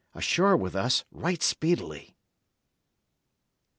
"Ashore with us, right speedily."